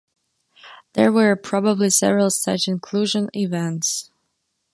There were probably several such inclusion events.